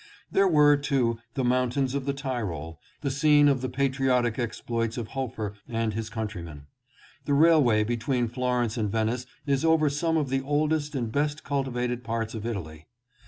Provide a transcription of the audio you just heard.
There were, too, the mountains of the Tyrol, the scene of the patriotic exploits of Hofer and his countrymen. The railway between Florence and Venice is over some of the oldest and best cultivated parts of Italy.